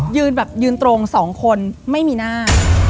แบบยืนตรงสองคนไม่มีหน้า